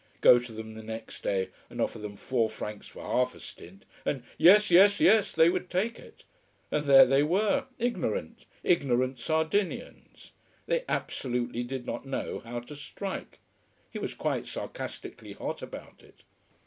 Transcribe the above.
Go to them the next day and offer them four francs for half a stint, and yes, yes, yes, they would take it. And there they were: ignorant: ignorant Sardinians. They absolutely did not know how to strike. He was quite sarcastically hot about it.